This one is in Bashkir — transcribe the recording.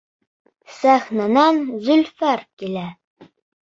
Сәхнәнән Зөлфәр килә.